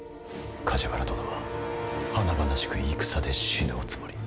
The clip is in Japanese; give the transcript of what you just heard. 梶原殿は華々しく戦で死ぬおつもり。